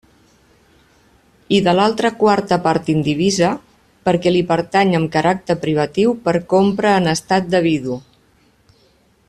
I de l'altra quarta part indivisa, perquè li pertany amb caràcter privatiu per compra en estat de viudo.